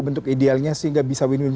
bentuk idealnya sehingga bisa win win